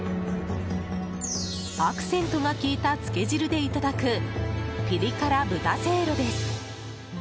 アクセントが効いたつけ汁でいただくピリ辛豚せいろです。